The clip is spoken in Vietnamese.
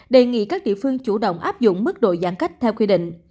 đề nghị các địa phương chủ động áp dụng mức độ giãn cách theo quy định